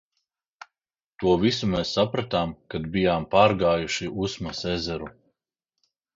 To visu mēs sapratām, kad bijām pārgājuši Usmas ezeru.